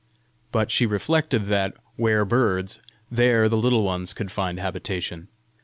But she reflected that where birds, there the Little Ones could find habitation.